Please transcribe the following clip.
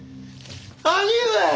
「兄上！